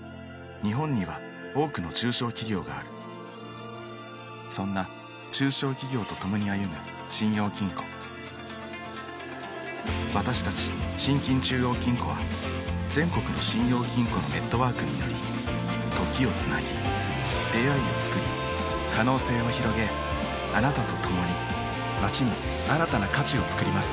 日本には多くの中小企業があるそんな中小企業とともに歩む信用金庫私たち信金中央金庫は全国の信用金庫のネットワークにより時をつなぎ出会いをつくり可能性をひろげあなたとともに街に新たな価値をつくります